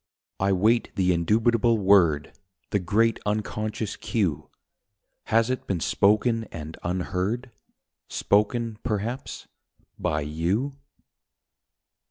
I wait the indubitable word, The great Unconscious Cue. Has it been spoken and unheard? Spoken, perhaps, by you